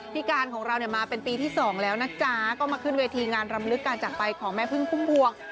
การของเราเนี่ยมาเป็นปีที่สองแล้วนะจ๊ะก็มาขึ้นเวทีงานรำลึกการจักรไปของแม่พึ่งพุ่มพวง